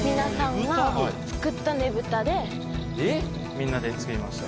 みんなで作りました。